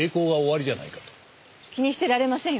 気にしてられませんよ